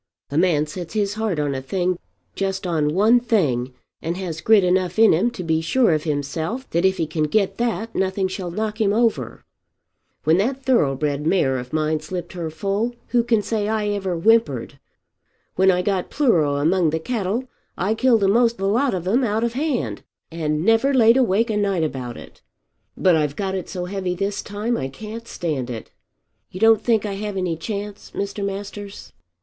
A man sets his heart on a thing, just on one thing, and has grit enough in him to be sure of himself that if he can get that nothing shall knock him over. When that thoroughbred mare of mine slipped her foal who can say I ever whimpered. When I got pleuro among the cattle I killed a'most the lot of 'em out of hand, and never laid awake a night about it. But I've got it so heavy this time I can't stand it. You don't think I have any chance, Mr. Masters?"